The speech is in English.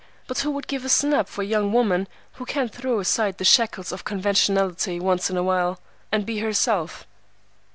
"But who would give a snap for a young woman who can't throw aside the shackles of conventionality once in a while, and be herself?"